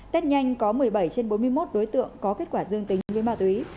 tết nhanh có một mươi bảy trên bốn mươi một đối tượng có kết quả dương tính với ma túy